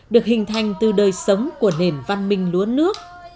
được hình thành từ đời sống của nền văn minh lúa nước